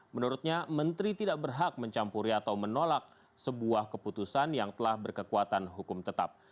menurutnya menteri tidak berhak mencampuri atau menolak sebuah keputusan yang telah berkekuatan hukum tetap